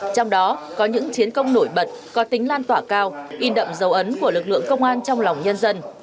trong đó có những chiến công nổi bật có tính lan tỏa cao in đậm dấu ấn của lực lượng công an trong lòng nhân dân